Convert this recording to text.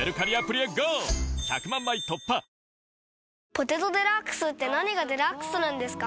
「ポテトデラックス」って何がデラックスなんですか？